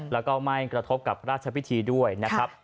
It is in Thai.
แล้วก็ไม่กระทบกับพระราชพิธีด้วยนะครับ